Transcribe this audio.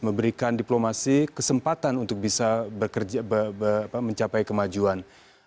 memberikan diplomasi kesempatan untuk bisa mencapai kemajuan